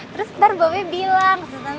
terus ntar bobby bilang susan tuh cantik